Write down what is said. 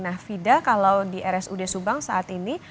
nah fida kalau di rsud subang saat ini